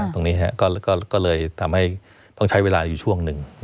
ตรงนี้ก็เลยทำให้ต้องใช้เวลาอยู่ช่วงหนึ่ง